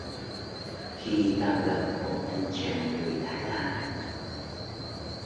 Khi tao gặp một anh chàng người Thái Lan